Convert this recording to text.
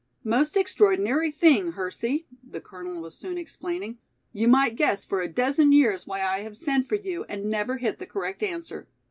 "Most extraordinary thing, Hersey!" the Colonel was soon explaining, "you might guess for a dozen years why I have sent for you and never hit the correct answer.